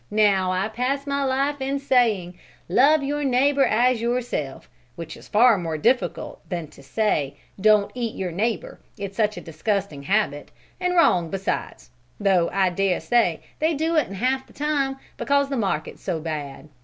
Now I pass my life in saying, 'Love your neighbor as yourself'; which is far more difficult than to say, 'Don't eat your neighbor, it's such a disgusting habit, and wrong besides,' though I dare say they do it half the time because the market is bad.